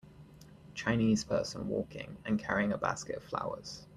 Chinese person walking and carrying a basket of flowers.